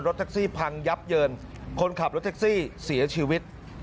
แท็กซี่พังยับเยินคนขับรถแท็กซี่เสียชีวิต